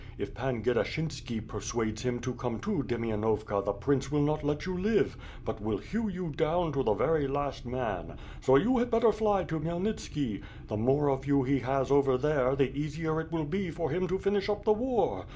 If Pan Gdeshinski persuades him to come to Demainovka the prince will not let you live, but will hew you down to the very last man — so you had bet ter fly to Khmyelnitski. The more of you he has over there the easier it will be for him to finish up the war!